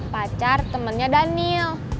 pacar temennya daniel